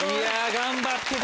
頑張ってた！